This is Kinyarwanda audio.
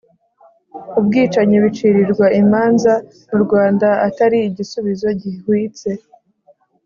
ubwicanyi bicirirwa imanza mu rwanda atari igisubizo gihwitse